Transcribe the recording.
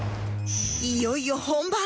いよいよ本番！